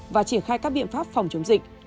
và triển khai các biện pháp phòng chống dịch